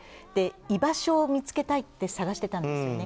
居場所を見つけたいと探していたんですよね。